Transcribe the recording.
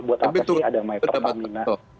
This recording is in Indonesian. buat apa sih ada microtermina